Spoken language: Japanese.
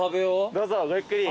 どうぞごゆっくり。